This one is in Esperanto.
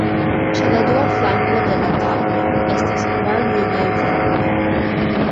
Ĉe la dua flanko de la tablo estis kvar junaj viroj.